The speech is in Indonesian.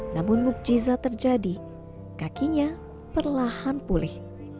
namun mukjiza terjadi kakinya perlahan pulih